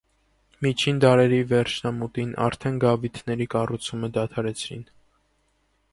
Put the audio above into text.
Միջին դարերի վերջնամուտին արդեն գավիթների կառուցումը դադաարեցրին։